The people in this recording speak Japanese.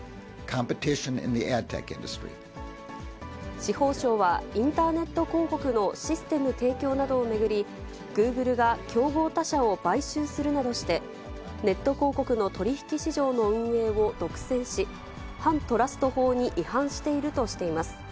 司法省はインターネット広告のシステム提供などを巡り、グーグルが競合他社を買収するなどして、ネット広告の取り引き市場の運営を独占し、反トラスト法に違反しているとしています。